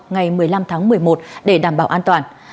ngày một mươi năm tháng một mươi một để đảm bảo an toàn